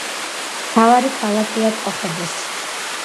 მთავარი ქალაქია კოხედესი.